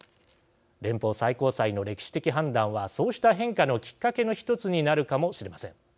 連邦最高裁の歴史的判断はそうした変化のきっかけの１つになるかもしれません。